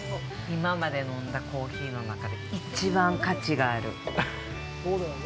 今まで飲んだコーヒーの中で一番価値がある。